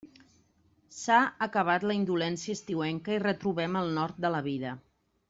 S'ha acabat la indolència estiuenca i retrobem el nord de la vida.